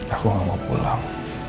aku gak mau pulang